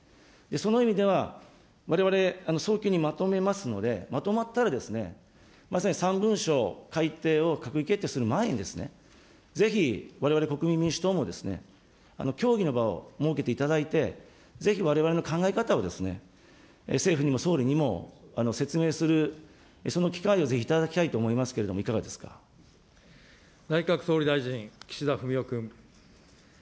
その意味では、われわれ、早急にまとめますので、まとまったらですね、まさに３文書改定を閣議決定する前にですね、ぜひわれわれ国民民主党の協議の場を設けていただいて、ぜひわれわれの考え方を、政府にも総理にも、説明するその機会をぜひ頂きたいと思いますけれども、いかがです内閣総理大臣、岸田文雄君。